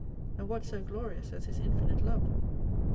And what so glorious as His infinite Love